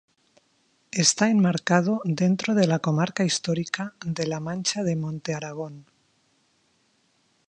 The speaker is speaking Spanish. Está enmarcado dentro de la comarca histórica de la Mancha de Montearagón.